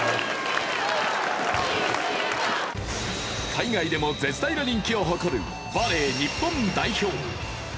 海外でも絶大な人気を誇るバレー日本代表。